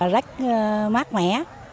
rất mát mẻ